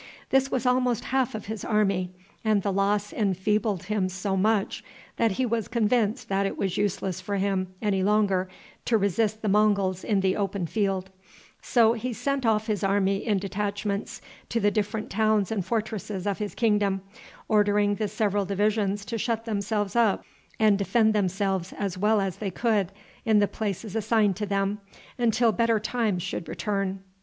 This was almost half of his army, and the loss enfeebled him so much that he was convinced that it was useless for him any longer to resist the Monguls in the open field; so he sent off his army in detachments to the different towns and fortresses of his kingdom, ordering the several divisions to shut themselves up and defend themselves as well as they could, in the places assigned to them, until better times should return.